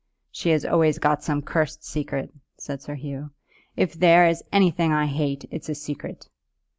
"She has always got some cursed secret," said Sir Hugh. "If there is anything I hate, it's a secret."